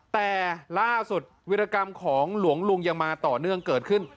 แต่ล่าสุดวิรกรรมของหลวงลุงยังมาต่อเนื่องเกิดขึ้น